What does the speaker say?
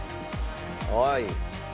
「はい」